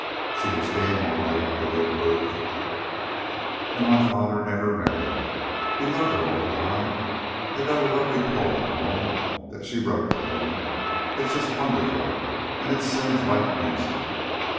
"She was game, all right," Billy approved. "And my father never married. He loved her all the time. I've got a lovely poem home that she wrote to him. It's just wonderful, and it sings like music.